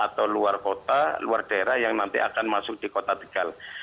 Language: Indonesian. atau luar kota luar daerah yang nanti akan masuk di kota tegal